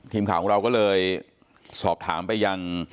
ทีมข่าวของเราก็เลยสอบถามไปยัง